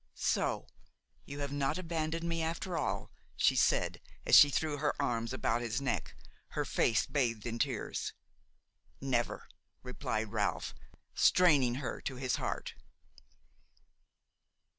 "So you have not abandoned me after all?" she said, as she threw her arms about his neck, her face bathed in tears. "Never!" replied Ralph, straining her to his heart.